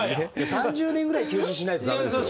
３０年ぐらい休止しないと駄目ですよ。